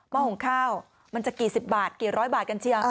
ห้อหงข้าวมันจะกี่สิบบาทกี่ร้อยบาทกันเชียง